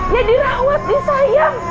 ya dirawat sih sayang